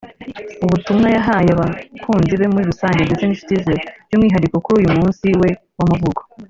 Mu butumwa yahaye abakunzibe muri rusange ndetse n’inshuti ze by’umwihariko kuri uyu munsi we w’amavuko